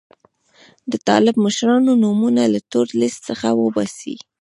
د طالب مشرانو نومونه له تور لیست څخه وباسي.